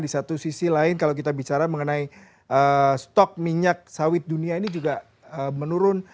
di satu sisi lain kalau kita bicara mengenai stok minyak sawit dunia ini juga menurun